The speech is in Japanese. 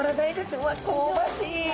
うわっ香ばしい！